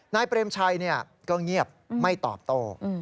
เปรมชัยก็เงียบไม่ตอบโต้